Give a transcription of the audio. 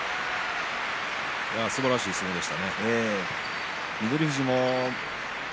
すばらしい相撲でした。